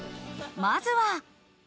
まずは。